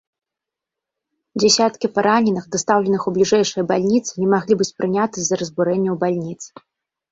Дзесяткі параненых, дастаўленых у бліжэйшыя бальніцы, не маглі быць прыняты з-за разбурэнняў бальніц.